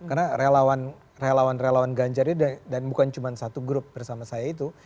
karena relawan relawan ganjar ini dan bukan cuma satu grup bersama saya itu